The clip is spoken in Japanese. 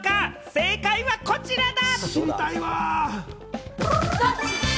正解はこちらだ。